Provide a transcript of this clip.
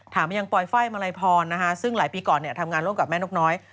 มายังปลอยไฟมาลัยพรซึ่งหลายปีก่อนทำงานร่วมกับแม่นกน้อย